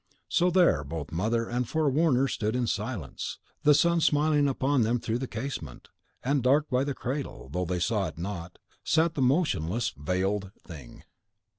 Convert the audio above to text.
So there both Mother and Forewarner stood in silence, the sun smiling upon them through the casement, and dark by the cradle, though they saw it not, sat the motionless, veiled Thing!